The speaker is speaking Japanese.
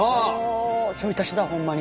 ちょい足しだホンマに。